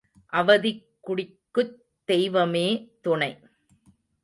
அவதிக் குடிக்குத் தெய்வமே துணை.